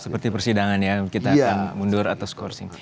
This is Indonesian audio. seperti persidangan ya kita akan mundur atas courcing